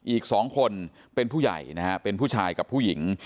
อีก๒คนเป็นผู้ใหญ่นะฮะเป็นผู้ชายกับผู้หญิง